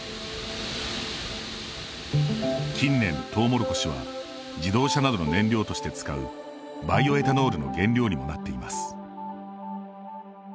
近年、トウモロコシは自動車などの燃料として使うバイオエタノールの原料にもなっています。